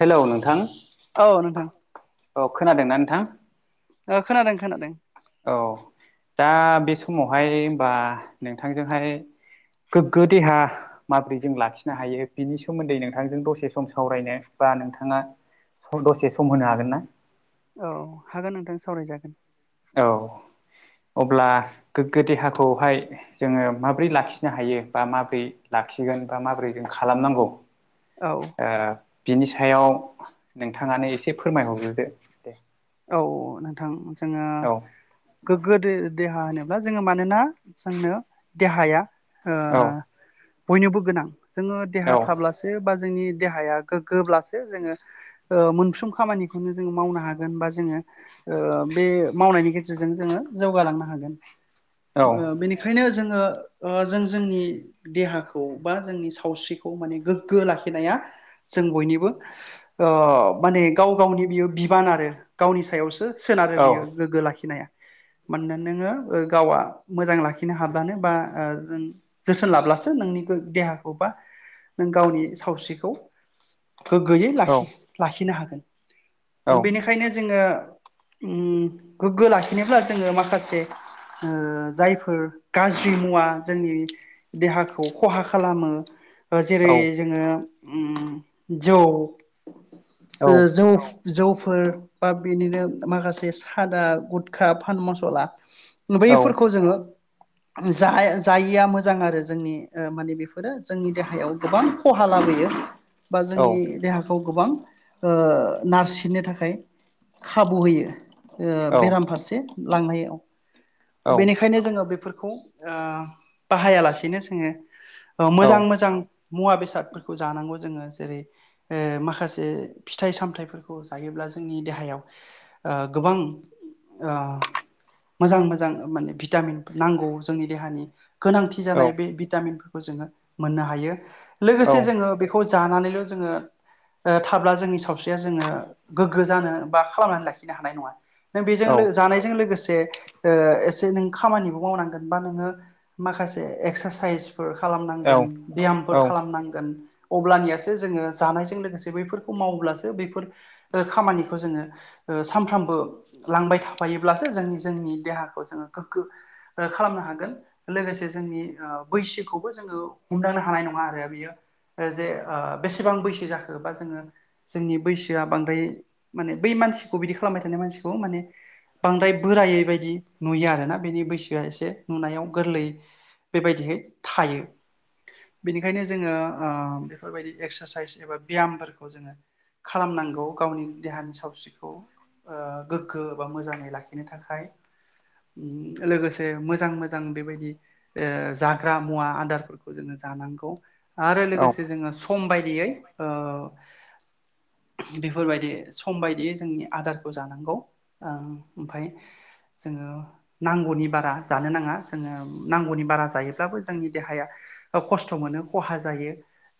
Hello नोंथां औ नोंथां औ खोनादोंना नोंथां ओ खोनादों खोनादों औ दा बे समावहाय होनबा नोंथांजोंहाय गोग्गो देहा माब्रै जों लाखिनो हायो बिनि सोमोन्दै नोंथांजों दसे सम सावरायनो बा नोंथाङा दसे सम होनो हागोन ना औ हागोन नोंथां सावरायजागोन औ अब्ला गोग्गो देहाखौहाय जोङो माब्रै लाखिनो हायो बा माबोरै लाखिगोन बा माब्रै जों खालामनांगौ औ ओ बिनि सायाव नोंथाङानो एसे फोरमायहरग्रोदो दे औ नोंथां जोङो औ गोग्गो दे देहा होनोब्ला जोङो मानोना जोंनो देहाया बयनोबो गोनां जोङो औ देहा थाब्लासो बा जोंनि देहाया गोग्गोब्लासो जोङो ओ मोनफ्रोम खामानिखौनो जोङो मावनो हाग होनबा जोङो ओ बे मावनायनि गेजेरजों जोङो जौगालांनो हागोन। औ ओ बेनिखायनो जोङो ओ जों जोंनि देहाखौ बा जोंनि सावस्रिखौ माने गोग्गो लाखिनाया जों बयनिबो ओ माने गाव गावनि बियो बिबाना गावनि सायावसो सोनारो बियो औ गोग्गो लाखिनाया। मानोना नोङो गावा मोजां लाखिनो हाब्लानो बा जों जोथोन लाब्लासो नोंनि देहाखौ बा नों गावनि सावस्रिखौ गोग्गोयै लाखि लाखिनो औ हागोन बेनिखायनो जोङो ओम गोग्गो लाखिनोब्ला जोङो माखासे ओ जायफोर गाज्रि मुवा जोंनि देहाखौ खहा खालामो। दा औ जेरै जोङो ओम जौ जौ जौफोर बा बिनिनो माखासे सादा गुदखा फान मसला बैफोरखौ जोङो जा जायिया मोजां आरो जोंनि माने बेफोरो जोंनि देहायाव गोबां खहा लाबोयो बा जोंनि देहाखौ गोबां ओ नारसिननो थाखाय खाबु होयो बेराम फारसे लांनायाव बेनिखाय यनो जोङो बेफोरखौ बाहायालासेनो जोङो मोजां मोजां मुवा बेसादफोरखौ जानांगौ जोङो जेरै ओ माखासे फिथाइ सामथायाइफोरखौ जायोब्ला जोंनि देहायाव ओ गोबां ओ मोजां मोजां माने भिटामिन नांगौ जोंनि देहानि गोनांथि जानाय बे भिटामिनफोरखौ जोङो मोननो हायो लोगोसे जोङो बे बेखौ जानानैल' जोङो थाब्ला जोंनि सावस्रिया जोङो गोग्गो जानो बा खालामनानै लाखिनो हानाय नङा नों बेजों औ जानायजों लोगोसे ओ एसे नों खामानिबो मावनांगोन बा नोङो माखासे एक्सारसाइस फोर खालामनांगोन ब्यामफोर खालामनांगोन। अब्लानियासो जोङो जानायजों लोगोसे बैफोरखौ माव्लासो बैफोर खामानिखौ जोङो ओ सानफ्रामबो लांबाय थाफायोब्लासो जोंनि जोंनि देहाखौ जोङो गोग्गो ओ खालामनो हागोन लोगोसे जोंनि बैसोखौबो जोङो हमदांनो हानाय नङा आरो बियो जे बेसेबां बैसो जाखोबा जोङो जोंनि बैसोआ बां ओमफ्राय माने बै मानसिखौ बिदि खालामबाय थानाय मानसिखौ माने बांद्राय बोरायै बायदि नुयो आरोना बेनि बैसोआ एसे नुनायाव गोरलै बेबायदिहै थायो। बेनिखायनो जोङो ओ बेफोरबायदि एक्सारसाइस एबा ब्यामफोरखौ जोङो खालामनांगौ गावनि देहानि सावस्रिखौ ओ गोग्गो बा मोजाङै लाखिनो थाखाय लोगोसे मोजां मोजां बेबायदि ओ जाग्रा मुवा आदारफोरखौ जोङो जानांगौ। आरो लोगोसे जोङो सम बायदियै ओ बेफोरबायदि सम बायदियै जोंनि आदारखौ जानांगौ ओमफाय जोङो नांगौनि बारा जानो नाङा जोङो नांगौनि बारा जायोब्लाबो जोंनि देहाया खस्थ' मोनो खहा जायो।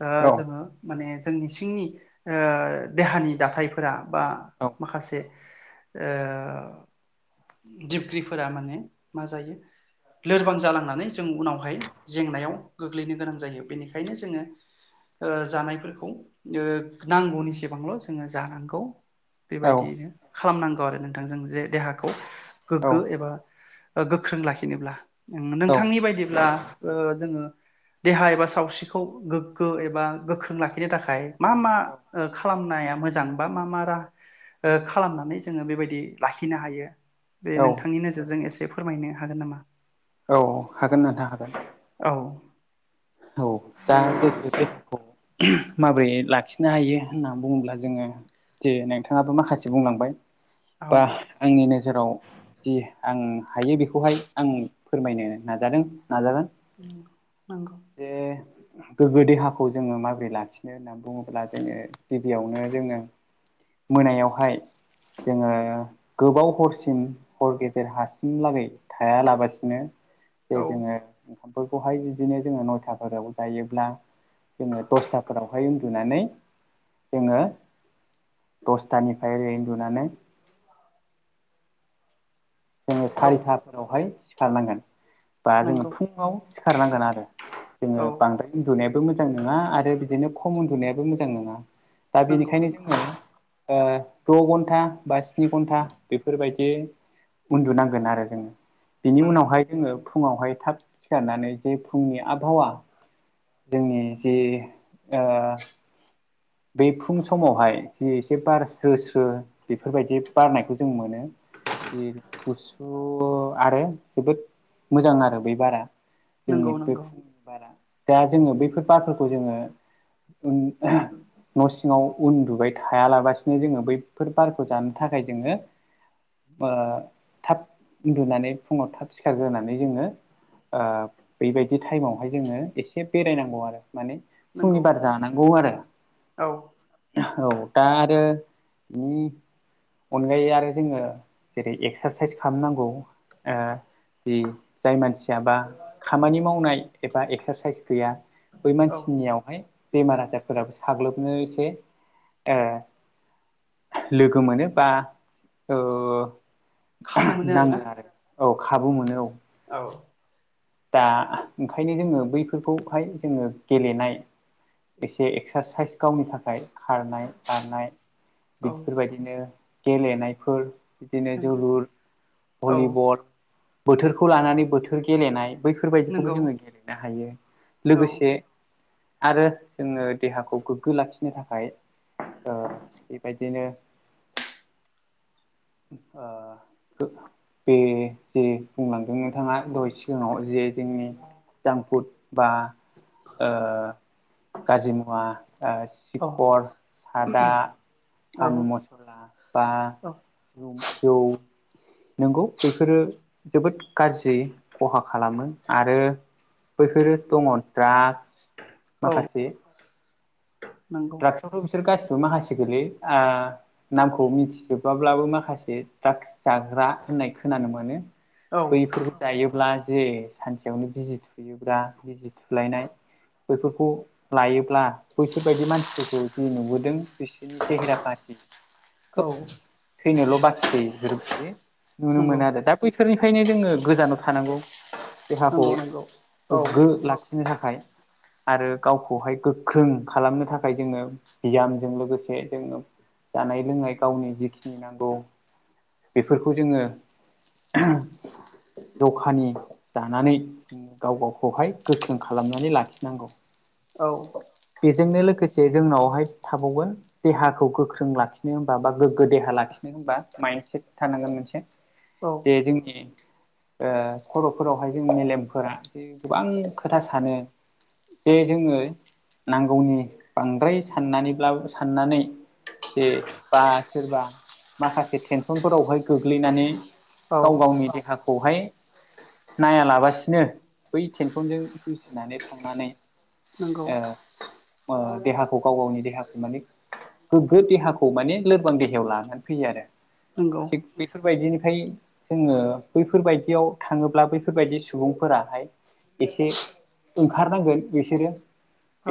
ओ जोङो माने जोंनि सिंनि ओ देहानि दाथाय फोरा बा माखासे ओ दिबख्रिफोरा माने मा जायो लोरबां जालांनानै जों उनावहाय जेंनायाव गोग्लैनो गोनां जायो बेनिखायनो जोङो ओ जानायफोरखौ ओ नांगौनिसिम गोसेबांल' जोङो जानांगौ बेबायदिनो खालामनांगौ आरो नोंथां जों जे देहाखौ गोग्गो एबा गोख्रों लाखिनोब्ला औ नोंथांनि बायदिब्ला ओ जोङो देहा एबा सावस्रिखौ गोग्गो एबा गोख्रों लाखिनो थाखाय मा मा ओ खालामनाया मोजां बा मा मा‌ राहा ओ खालामनानै जोङो बेबादि लाखिनो हायो बे औ औ नोंथांनि नोजोरजों एसे फोरमायनो हागोन नामा औ हागोन नोंथां हागोन औ औ दा गोग्गो देहाखौ माबोरै लाखिनो हायो होननानै बुङोब्ला जोङो जे नोंथाङाबो माखासे बुंलांबाय औ बा आंनि नोजोराव जि आं हायो बेखौहाय आं फोरमायनो नाजादों नाजागोन [unintelligible] जे गोग्गो देहाखौ जोङो माबोरै लाखिनो होननानै बुङोब्ला जोङो गिबियावनो जोङो मोनायावहाय जोङो गोबाव हरसिम हर गेजेर हासिमलागै थायालाबासिनो दे औ जोङो ओंखामफोरखौहाय बिदिनो जोङो नयथाफोराव जायोब्ला जोङो दसथाफोरावहाय उन्दुनानै जोङो दसथानिफ्राय ओरै उन्दुनानै जोङो औ सारिथाफोरावहाय सिखारनांगोन बा जोङो नंगौ फुङाव सिखारनांगोन आरो जोङो औ बांद्राय उन्दुनायाबो मोजां नङा आरो बिदिनो खम उन्दुनायाबो मोजां नङा दा नंगौ बेनिखायनो नंगौ जोङो द' घन्टा बा स्नि घन्टा बेफोरबायदि उन्दुनांगोन आरो जोङो बिनि नंगौ उनावहाय जोङो फुङावहाय थाब सिखारनानै जे फुंनि आबहावा जोंनि जि बे फुं समावहाय जि एसे बार स्रो स्रो बेफोरबायदि बारनायखौ जों मोनो गुसु आरो जोबोद मोजां आरो बै बारा जोंनि नंगौ बे नंगौ फुंनि बारा दा जोङो बैफोर बारफोरखौ जोङो न' सिङाव उन्दुबाय थायालाबसिनो जोङो बैफोर बारखौ जानो थाखाय जोङो थाब उन्दुनानै फुङाव थाब सिखारग्रोनानै जोङो बेबायदि टाइमावहाय जोङो एसे बेरायनांगौ आरो माने नंगौ फुंनि बार जानांगौ आरो औ औ दा आरो बि अनगायै आरो जोङो जेरै एक्सारसाइस खालामनांगौ जि जाय मानसियाबा खामानि मावनाय एबा एक्सारसाइस गैया बै औ मानसिनियावहाय बेमार आजारफोराबो साग्लोबनो एसे लोगो मोनो बा खाबु मोनो नाङो आरोना आरो औ खाबु मोनो औ औ दा ओंखायनो जोङो बैफोरखौहाय जोङो गेलेनाय एसे एक्सारसाइस गावनि थाखाय खारनाय बारनाय औ बिदिफोरबायदिनो गेलेनायफोर बिदिनो नंगौ जोलुर औ भलिबल बोथोरखौ लानानै बोथोर गेलेनाय बेफोरबायदिखौबो नंगौ जोङो गेलेनो हायो औ लोगोसे आरो जोङो देहाखौ गोग्गो लाखिनो थाखाय दा बेबायदिनो। ओ बे जे बुंलांदों नोंथाङा दहाय सिगाङाव। जे जोंनि जामफुद बा ओ गाज्रि मुवा ओ औ सिखर सादा औ फान मुस बा औ जौ नंगौ बेफोरो जोबोद गाज्रि खहा खालामो आरो बैफोरो दङ ड्रागस औ माखासे नंगौ बेफोरथ' बिसोर गासिबो माखासे गोलैयो ओ नामखौ मिथिजोबाब्लाबो माखासे द्राक्स जाग्रा होननाय खोनानो मोनो औ बैफोरबो जायोब्ला जे सानसेयावनो बिजि थुयोब्ला बिजि थुलायनाय बैफोरखौ लायोब्ला बैसोरबायायदि मानसिफोरखौ जि नुबोदों बिसोरनि सेहेरा फाथि खोब औ थैनोल' बाखिसै बेफोरबायदि नुनो नंगौ मोनो आरो दा बैफोरनिफ्रायनो जोङो गोजानाव थानांगौ नंगौ देहाखौ औ गोग्गो लाखि थाखाय आरो गावखौहाय गोख्रों खालामनो थाखाय ओमफ्राय जोङो बियामजों लोगोसे जोङो जानाय लोंनाय गावनि जिखिनि नांगौ बेफोरखौ जोङो दखानि जानानै जोङो गाव गावखौहाय गोख्रों खालामनानै लाखिनांगौ औ औ बेजोंनो लोगोसे जोंनावहाय थाबावगोन देहाखौ गोख्रों लाखिनो हनबा बा गोग्गो देहा लाखिनो हनबा माइन्डसेट थानांगोन मोनसे औ जे जोंनि ओ खर'फोरावहाय जों मेलेमफोरा जे गोबां खोथा सानो बेे जोङो नांगौनि बांद्राय साननानैब्लाबो साननानै जे बा सोरबा माखासे टेनसनफोरावहाय गोग्लैनानै औ गाव गावनि देहाखौ खौहाय नायालाबासिनो बै टेनसनजों जुजिनानै थांनानै नंगौ ओ ओ देहाखौ गाव गावनि देहाखौ माने गोग्गो देहाखौ माने लोरबां देहायाव लानानै फैयो आरो नंगौ थिग बेफोरबायदिनिफ्राय जोङो बैफोरबायदियाव थाङोब्ला बैफोरबायदि सुबुंफोराहाय एसे ओंखारनांगोन बिसोरो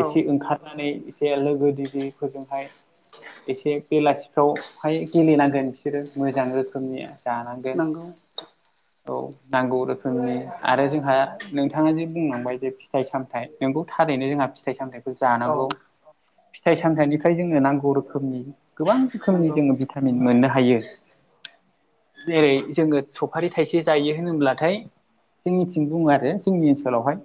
औ एसे ओंखारनानै एसे लोगो दिगिफोरजोंहाय एसे बेलासिफ्राव उमफाइ गेलेनांगोन बिसोरो मोजां रोखोमनि जानांगोन नंगौ औ नांगौ रोखोमनि आरो जोंहा नोंथाङा जे बुंलांबाय जे फिथाइ सामथाइ नखौ थार बेनो जोंहा फिथाइ सामथाइखौ औ जानांगौ फिथाइ सामथाइनिफ्राय जोंनो नांगौ रोखोमनि गोबां रोखोमनि नंगौ जोङो भिटामिन मोननो हायो जेरै जोङो सफारि थाइसे जायो होनब्लाथाय जोंनिथिं बुङो आरो जोंनि ओनसोलावहाय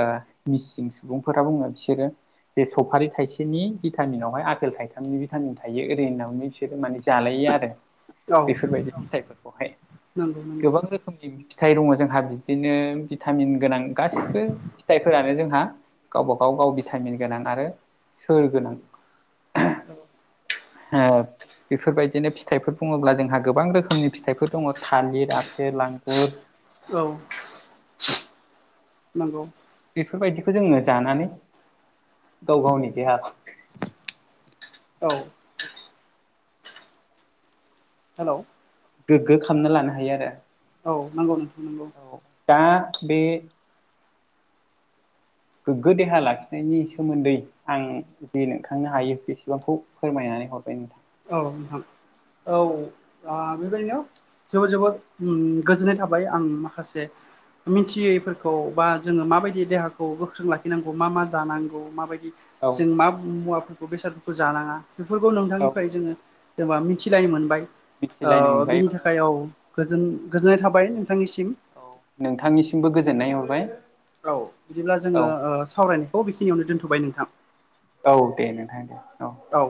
ओ मिसिं सुबुंफोरा बुङो बिसोरो बे सफारि थायसेनि भिटामिनावहाय आपेल थाइथामनि भिटामिन थायो ओरै होननानै बिसोरो माने जालायो आरो औ बेफोरबायदि फिथाइफोरखौहाय नंगौ नंगौ गोबां रोखोमनि रोखोमनि फिथाइ दङ जोंहा बिदिनो भिटामिन गोनां गासिबो फिथाइफोरानो जोंहा गावबागाव गाव भिटामिन गोनां आरो सोर गोनां ओ बेफोरबायदिनो फिथाइफोर बुङोब्ला जोंहा गोबां रोखोमनि फिथाइफोर दङ थालिर आफेल आंगुर औ नांगौ बेफोरबायदिखौ जोंनो जानानै गाव गावनि देहा औ हेलौ गोग्गो खामना लानो हायो आरो। औ नांगौ नोंथां नंगौ। औ दा बे गोग्गो देहा लाखिनायनि सोमोन्दै आं जे नोंथांनो हायो बेसेबांखौ फोरमायनानै हरबाय नोंथां। औ नोंथां। औ। अ बेबायदिनो जोबोर जोबोर उम गोजोन्नाय थाबाय आं माखासे मिथियैफोरखौ बा जोङो माबायदियै देहाखौ गोख्रों लाखिनांगौ मा मा जानांगौ माबायदि औ जों मा मुवाफोरखौ बेसादफोरखौ जानाङा बेफोरखौ औ नोंथांनिफ्राय जोङो जेनबा मिथिलाय ओ मिथिलायनो मोनबाय मोनबाय बेनि था खायाव गोजोन गोजोननाय थाबाय नोंथांनिसिम। औ नोंथांनिसिमबो गोजोननाय हरबाय। औ बिदिब्ला औ जोङो ओ सावरायनायखौ बेखिनियावनो दोनथ'बाय नोंथां। औ दे नोंथां दे औ। औ।